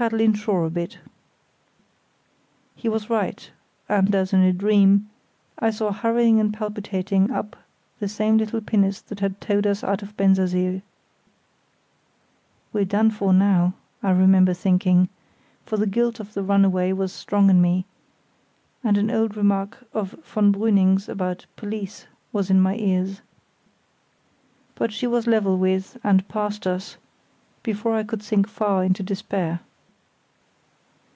Paddle inshore a bit." He was right, and, as in a dream, I saw hurrying and palpitating up the same little pinnace that had towed us out of Bensersiel. "We're done for now," I remember thinking, for the guilt of the runaway was strong in me; and an old remark of von Brüning's about "police" was in my ears. But she was level with and past us before I could sink far into despair.